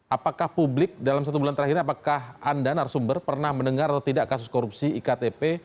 apakah publik dalam satu bulan terakhir ini apakah anda narasumber pernah mendengar atau tidak kasus korupsi iktp